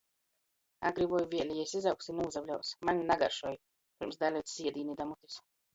Agri voi vieli jis izaugs i nūsabļaus: "Maņ nagaršoj!", pyrms dalics iedīni da mutis.